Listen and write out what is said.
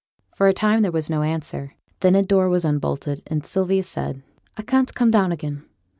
For a time there was no answer. Then a door was unbolted, and Sylvia said, 'I can't come down again.